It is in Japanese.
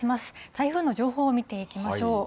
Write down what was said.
台風の情報を見ていきましょう。